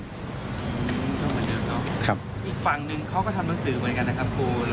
อีกฝั่งหนึ่งเขาก็ทำหนังสือเหมือนกันนะครับครู